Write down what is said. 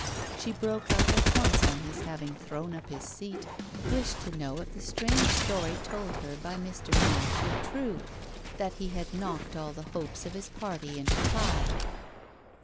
She broke out at once on his having thrown up his seat, wished to know if the strange story told her by Mr. Nash were true that he had knocked all the hopes of his party into pie.